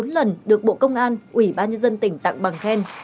bốn lần được bộ công an ủy ban nhân dân tỉnh tặng bằng khen